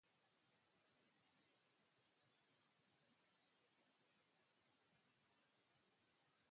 Se ubica en la comuna de Coronel, en el centro de la ciudad.